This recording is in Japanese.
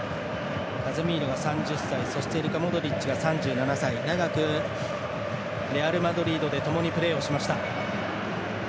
カゼミーロが３０歳ルカ・モドリッチが３７歳長くレアルマドリードでともにプレーをしました。